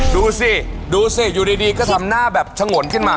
ดูสิดูสิอยู่ดีก็ทำหน้าแบบฉงนขึ้นมา